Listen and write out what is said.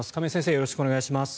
よろしくお願いします。